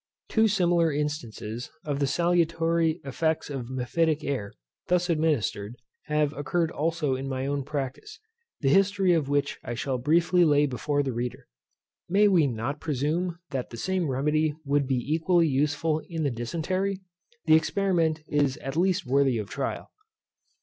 Two similar instances of the salutary effects of mephitic air, thus administered, have occurred also in my own practice, the history of which I shall briefly lay before the reader. May we not presume that the same remedy would be equally useful in the DYSENTERY? The experiment is at least worthy of trial.